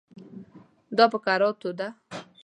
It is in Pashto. دا په کراتو ده.